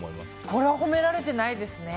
これは褒められてないですね。